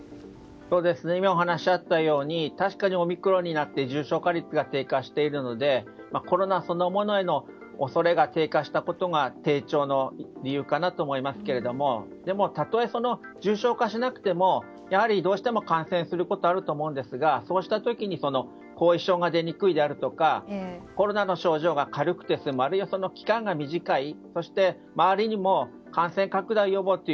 今、お話にあったように確かにオミクロンになって重症化率が低下しているのでコロナそのものへの恐れが低下したことが低調な理由かなと思いますがでも、たとえ重症化しなくてもやはりどうしても感染することはあると思うんですがそうした時に後遺症が出にくいだとかコロナの症状が軽くて済むあるいは期間が短いそして、周りへの感染拡大予防と。